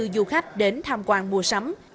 du khách đến tham quan mua sắm